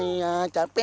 iya capek aku